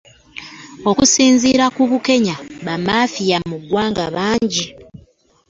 Okusinziira ku Bukenya, bamafiya mu gavumenti bangi nnyo